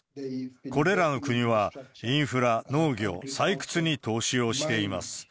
これらの国はインフラ、農業、採掘に投資をしています。